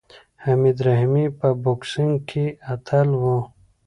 حمید رحیمي په بوکسینګ کې اتل و.